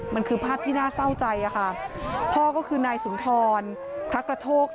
มันคือภาพที่น่าเศร้าใจอะค่ะพ่อก็คือนายสุนทรพระกระโทก